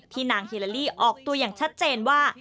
นางฮิลาลีออกตัวอย่างชัดเจนว่า